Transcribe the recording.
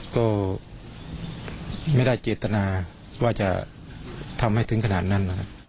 ก็ไม่ได้จิตนาว่าจะทำให้ถึงขนาดนั้น